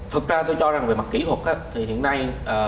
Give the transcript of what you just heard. thực ra tôi cho rằng về mặt kỹ thuật thì hiện nay